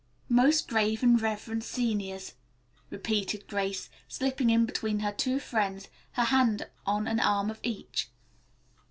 "'Most grave and reverend seniors,'" repeated Grace, slipping in between her two friends, her hand on an arm of each.